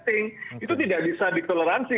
itu tidak bisa ditoleransi